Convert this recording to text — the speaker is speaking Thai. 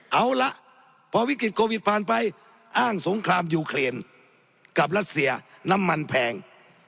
เอาล่ะพอวิกฤตโควิดผ่านไปอ้างสงครามยูเครนกับรัสเซียน้ำมันแพง